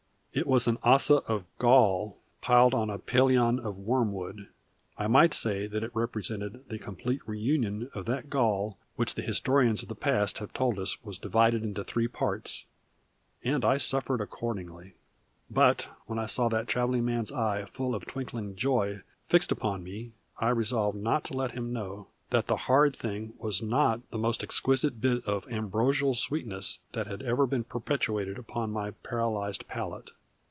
It was an Ossa of Gall piled on a Pelion of Wormwood I might say that it represented the complete reunion of that Gall which the historians of the past have told us was "divided into three parts" and I suffered accordingly. But when I saw that traveling man's eye full of twinkling joy fixed upon me I resolved not to let him know that the horrid thing was not the most exquisite bit of ambrosial sweetness that had ever been perpetrated upon my paralyzed palate.